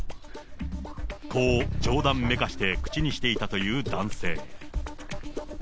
こう冗談めかして口にしていたという男性。